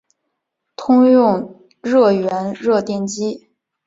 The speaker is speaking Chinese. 通用热源热电机。